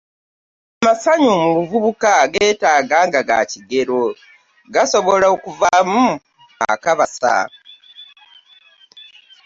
Amasanyu mu buvubuka geetaaga ga kigero gasobola okuvaamu akabasa.